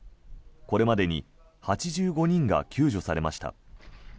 これまでに８５人が救助されました。